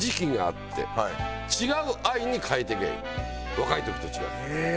若い時と違って。